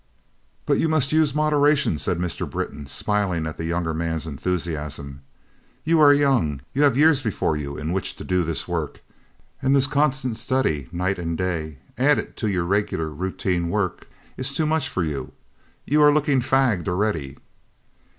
"But you must use moderation," said Mr. Britton, smiling at the younger man's enthusiasm; "you are young, you have years before you in which to do this work, and this constant study, night and day, added to your regular routine work, is too much for you. You are looking fagged already."